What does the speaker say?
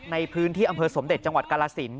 ในพื้นที่อำเภอสมเด็จจังหวัดกาลสิน